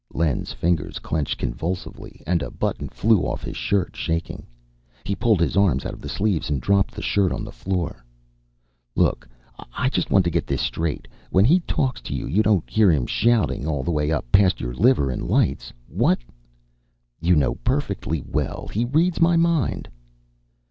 Len's fingers clenched convulsively, and a button flew off his shirt. Shaking, he pulled his arms out of the sleeves and dropped the shirt on the floor. "Look. I just want to get this straight. When he talks to you, you don't hear him shouting all the way up past your liver and lights. What " "You know perfectly well he reads my mind."